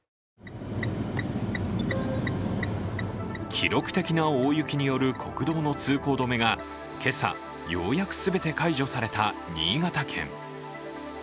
記録的な大雪による国道の通行止めが今朝、ようやく全て解除された新潟県。